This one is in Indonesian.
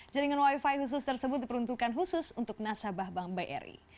jaringan wifi khusus tersebut diperuntukkan khusus untuk nasabah bank bri